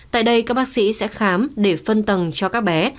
tại đây các bác sĩ sẽ khám để phân tầng cho các bé